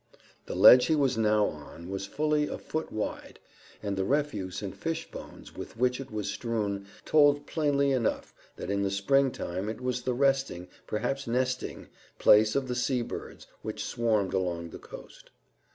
The ledge he was now on was fully a foot wide, and the refuse and fish bones with which it was strewn told plainly enough that in the spring time it was the resting perhaps nesting place of the sea birds which swarmed along the coast.